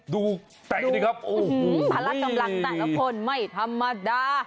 ดูเตะนะครับภาระกำลังแต่ละคนไม่ธรรมดา